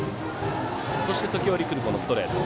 そして時折来るストレート。